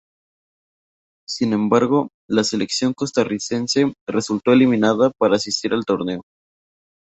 Sin embargo, la selección costarricense resultó eliminada para asistir al torneo.